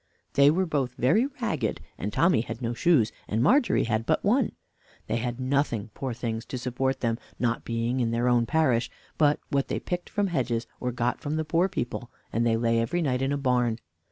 They were both very ragged, and Tommy had no shoes, and Margery had but one. They had nothing, poor things, to support them (not being in their own parish) but what they picked from the hedges, or got from the poor people, and they lay every night in a barn.